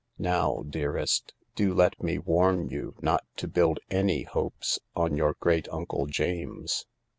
Now, dearest, do let trie warn you hot to build Any hopes on you* great tificle James.